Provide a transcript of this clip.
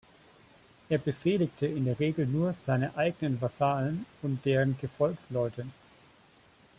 Er befehligte in der Regel nur seine eigenen Vasallen und deren Gefolgsleute.